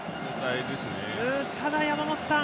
ただ、山本さん。